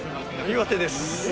岩手です。